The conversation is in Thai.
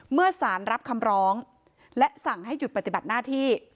เมื่อสารรับคำร้องและสั่งให้หยุดปฏิบัติหน้าที่